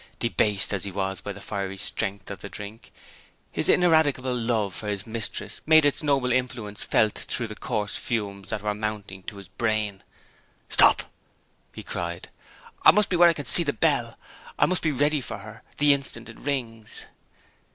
Debased as he was by the fiery strength of the drink, his ineradicable love for his mistress made its noble influence felt through the coarse fumes that were mounting to his brain. "Stop!" he cried. "I must be where I can see the bell I must be ready for her, the instant it rings."